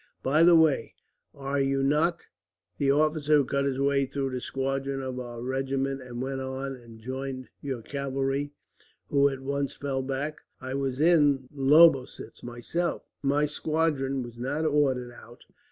"By the way, are you not the officer who cut his way through the squadron of our regiment, and went on and joined your cavalry, who at once fell back? I was in Lobositz, myself. My squadron was not ordered out.